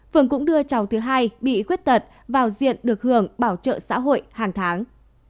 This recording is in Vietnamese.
phường cũng đưa cháu thứ hai bị khuyết tật vào diện được hưởng bảo trợ xã hội hàng tháng